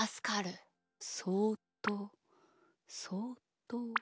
そっとそっと。